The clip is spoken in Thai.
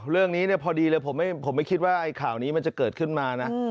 เรื่องนี้พอดีเลยผมไม่คิดว่าไอ้ข่าวนี้มันจะเกิดขึ้นมานะ